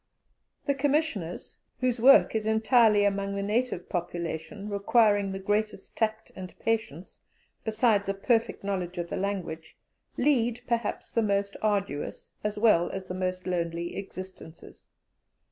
The Commissioners, whose work is entirely among the native population, requiring the greatest tact and patience, besides a perfect knowledge of the language, lead, perhaps, the most arduous, as well as the most lonely, existences.